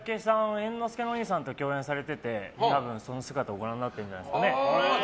猿之助のお兄さんと共演されてて、その姿をご覧になってるんじゃないですかね。